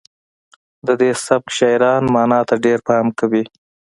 د دې سبک شاعران معنا ته ډیر پام کوي